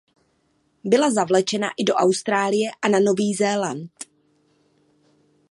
Byla zavlečena i do Austrálie a na Nový Zéland.